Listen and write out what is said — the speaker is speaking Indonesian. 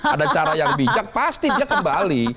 ada cara yang bijak pasti dia kembali